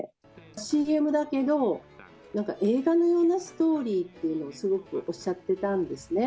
ＣＭだけど、なんか映画のようなストーリーっていうのをすごくおっしゃっていたんですね。